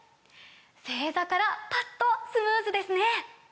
正座からパッとスムーズですね！